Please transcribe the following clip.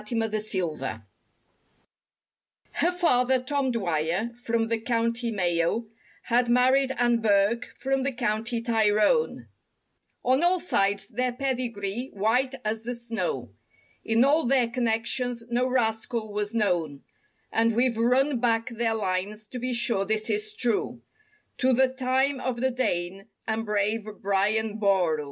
MARY ELLEN DWYER Her father, Tom Dwyer, from the County Mayo, Had married Anne Burke from the County Tyrone; On all sides their pedigree—white as the snow— In all their "connections" no rascal was known; And we've run back their lines to be sure this is true To the "Time of the Dane" and brave Brian Boru.